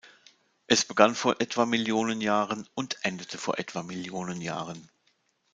Es begann vor etwa Millionen Jahren und endete vor etwa Millionen Jahren.